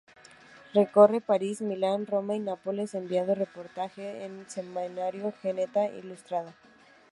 Recorre París, Milán, Roma y Nápoles, enviando reportajes al semanario Gaceta Ilustrada.